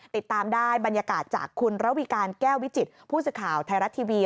ติดตามได้บรรยากาศจากคุณระวิการแก้ววิจิตผู้สื่อข่าวไทยรัฐทีวี